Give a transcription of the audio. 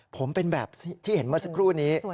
ผมเป็นแบบที่เห็นเมื่อสักครู่นี้